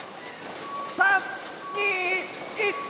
３・２・１！